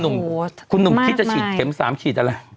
โอ้โฮมากมายคุณหนุ่มคิดจะฉีดเข็ม๓ฉีดอะไร